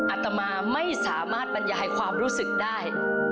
อาตมาไม่สามารถบรรยายความรู้สึกได้